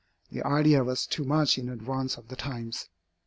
The idea was too much in advance of the times.